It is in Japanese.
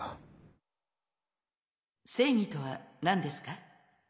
正義とは何ですか？